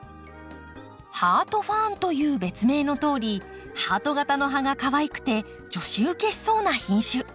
ハートファーンという別名のとおりハート形の葉がかわいくて女子ウケしそうな品種。